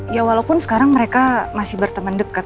ya walaupun sekarang mereka masih berteman dekat